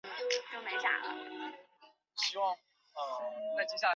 荷电粒子炮是指电离的带电粒子利用加速器将其加速打出以其破坏敌械的武器。